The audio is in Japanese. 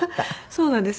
そうなんです。